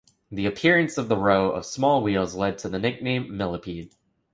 The appearance of the row of small wheels led to the nickname "millipede".